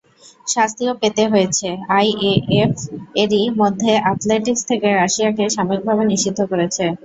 শাস্তিও পেতে হয়েছে, আইএএএফ এরই মধ্যে অ্যাথলেটিকস থেকে রাশিয়াকে সাময়িকভাবে নিষিদ্ধ করেছে।